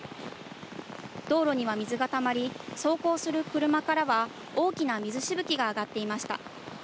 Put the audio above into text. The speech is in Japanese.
道路には水がたまり、走行する車からは大きな水しぶきが上がっていました。